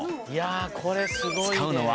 いやこれすごいで。